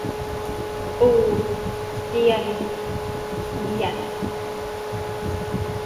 ตูเจียงเยี่ยน